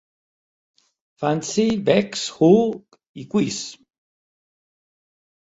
«fancy», «vex», «who» i «quiz».